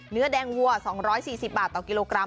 เนื้อแดงวัว๒๔๐บาทต่อกิโลกรัม